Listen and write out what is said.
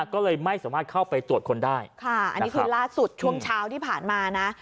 ก็เลยไม่สามารถเข้าไปตรวจคนได้ค่ะอันนี้คือล่าสุดช่วงเช้าที่ผ่านมานะ